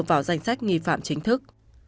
vào danh sách nghi phạm chính thức